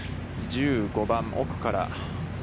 １５番、奥から。